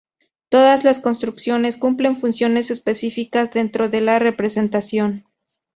Todas las construcciones cumplen funciones específicas dentro de la representación.